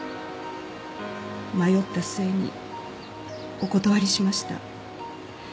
迷った末にお断りしました。